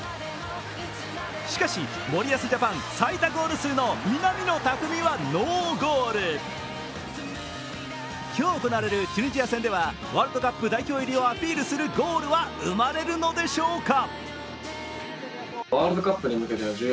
しかし、森保ジャパン最多ゴール数の南野拓実はノーゴール。今日行われるチュニジア戦ではワールドカップ代表入りをアピールするゴールは生まれるのでしょうか。